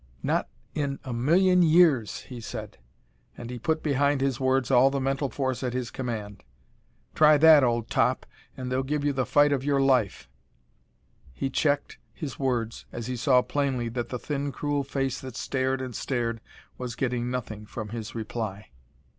"Not in a million years!" he said, and he put behind his words all the mental force at his command. "Try that, old top, and they'll give you the fight of your life " He checked his words as he saw plainly that the thin cruel face that stared and stared was getting nothing from his reply.